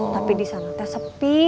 tapi di sana teh sepi